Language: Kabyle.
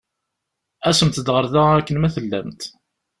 Asemt-d ɣer da akken ma tellamt.